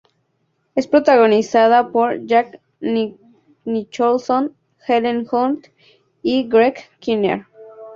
Es protagonizada por Jack Nicholson, Helen Hunt y Greg Kinnear.